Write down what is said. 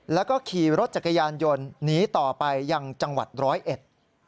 แล้วก็ขี่รถจักรยานยนต์หนีต่อไปยังจังหวัดร้อยเอ็ด